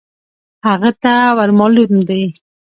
هغه ته ور مالوم دی .